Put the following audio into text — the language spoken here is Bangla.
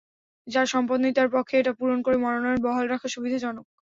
যাঁর সম্পদ নেই, তাঁর পক্ষে এটা পূরণ করে মনোনয়ন বহাল রাখা সুবিধাজনক।